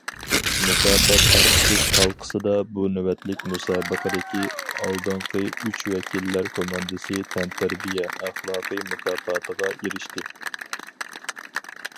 مۇكاپات تارقىتىش ھالقىسىدا، بۇ نۆۋەتلىك مۇسابىقىدىكى ئالدىنقى ئۈچ ۋەكىللەر كوماندىسى تەنتەربىيە ئەخلاقى مۇكاپاتىغا ئېرىشتى.